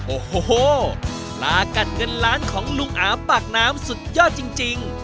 โอ้โหปลากัดเงินล้านของลุงอาปากน้ำสุดยอดจริง